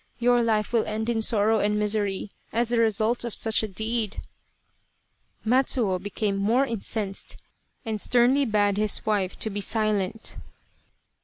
Your life will end in sorrow and misery as the result of such a deed." Matsuo became more incensed, and sternly bade his wife be silent.